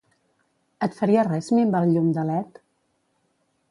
Et faria res minvar el llum de led?